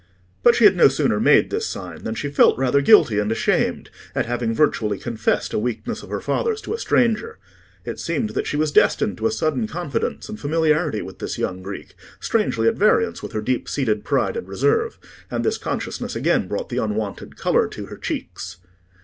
But she had no sooner made this sign than she felt rather guilty and ashamed at having virtually confessed a weakness of her father's to a stranger. It seemed that she was destined to a sudden confidence and familiarity with this young Greek, strangely at variance with her deep seated pride and reserve; and this consciousness again brought the unwonted colour to her cheeks.